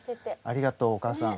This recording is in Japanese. ありがとうお母さん。